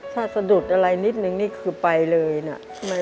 ถ้าสะดุดอะไรนิดนึงนี่คือไปเลยนะ